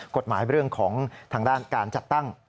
กฎหมายเรื่องของทางด้านการจัดตั้ง